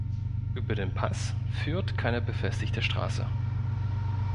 Über den Pass führt keine befestigte Straße.